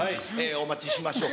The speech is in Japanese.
お待ちしましょう。